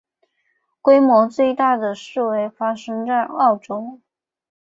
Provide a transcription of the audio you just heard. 规模最大的示威发生在欧洲。